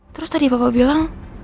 terus tadi papa bilang